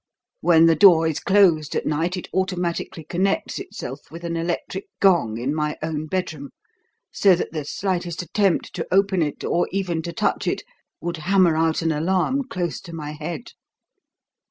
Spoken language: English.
When the door is closed at night, it automatically connects itself with an electric gong in my own bedroom, so that the slightest attempt to open it, or even to touch it, would hammer out an alarm close to my head."